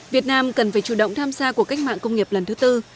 việt nam cần phải chủ động tham gia của cách mạng công nghiệp lần thứ tư